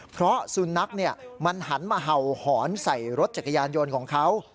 เพราะสุนัขมันหันมาเห่าหอนใส่รถจักรยานยนต์ของเขา